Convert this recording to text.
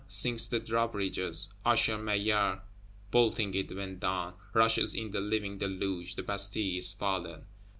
Sinks the drawbridge, Usher Maillard bolting it when down; rushes in the living deluge; the Bastille is fallen!